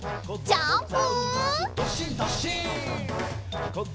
ジャンプ！